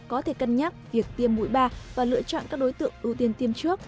có thể cân nhắc việc tiêm mũi ba và lựa chọn các đối tượng ưu tiên tiêm trước